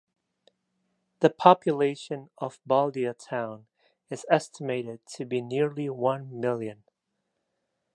The population of Baldia Town is estimated to be nearly one million.